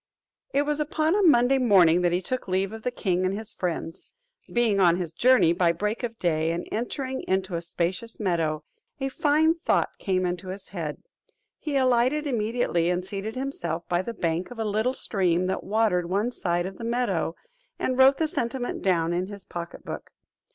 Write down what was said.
It was upon a Monday morning that he took leave of the king and his friends. Being on his journey by break of day, and entering into a spacious meadow, a fine thought came into his head; he alighted immediately, and seated himself by the bank of a little stream that watered one side of the meadow, and wrote the sentiment down in his pocket book.